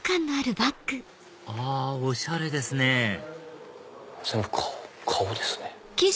あおしゃれですね全部顔ですね。